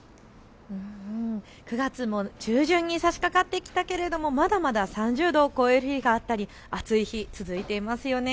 ９月も中旬にさしかかってきたけれどもまだまだ３０度を超える日があったり暑い日、続いていますよね。